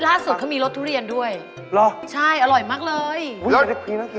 อันนี้ดีกว่าอันนี้